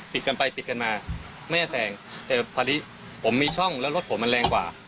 กันไปปิดกันมาไม่ให้แสงแต่พอดีผมมีช่องแล้วรถผมมันแรงกว่า